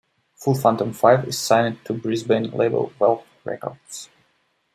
Full Fathom Five is signed to Brisbane label Valve Records.